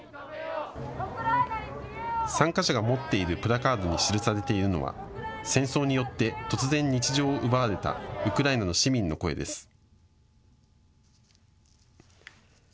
参加者が持っているプラカードに記されているのは戦争によって突然、日常を奪われたウクライナの市民の声です。